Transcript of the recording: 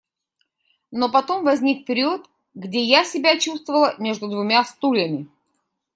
Но потом возник период, где я себя чувствовала между двумя стульями.